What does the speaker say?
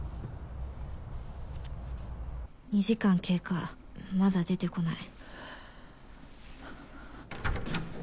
「２時間経過まだ出てこない」。